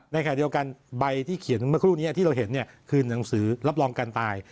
ในขณะเดียวกันใบที่เขียนเมื่อครู่นี้ที่เราเห็นคือหนังสือรับรองการตาย